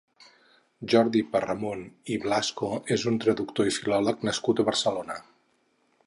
Jordi Parramon i Blasco és un traductor i filòleg nascut a Barcelona.